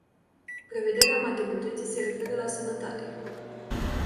Prevederea maternității se referă la sănătate.